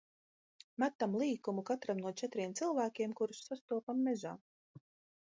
Metam līkumu katram no četriem cilvēkiem, kurus sastopam mežā.